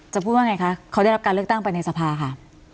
พูดว่าไงคะเขาได้รับการเลือกตั้งไปในสภาค่ะ